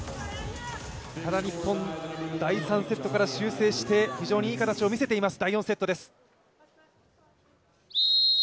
ただ日本、第３セットから修正して非常にいい形を見せています。